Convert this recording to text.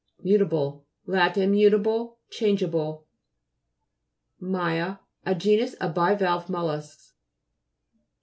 MUTA'BILE' Lat. Mutable, change able. MT'A A genus of bivalve mollusks.